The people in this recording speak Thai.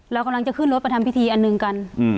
เรากำลังจะขึ้นรถไปทำพิธีอันหนึ่งกัน